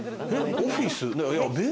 オフィス？